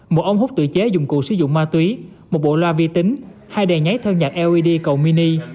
một ống hút tự chế dụng cụ sử dụng ma túy một bộ loa vi tính hai đề nháy theo nhạc led cầu mini